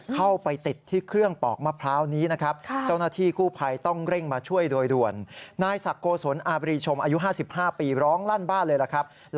เข้าไปติดที่เครื่องปอกมะพร้าวนี้นะครับ